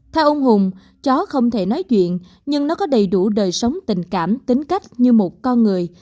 theo ông hùng chó không thể nói chuyện nhưng nó có đầy đủ đời sống tình cảm tính cách như một con người